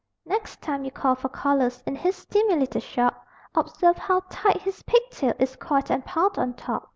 Next time you call for collars In his steamy little shop, Observe how tight his pigtail Is coiled and piled on top.